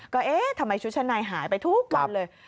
ก็เอ๊ะทำไมชุดชั้นในหายไปทุกวันเลย